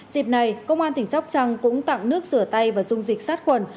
dịp này công an tỉnh sóc trăng cũng tặng nước sửa tay và dung dịch sát khuẩn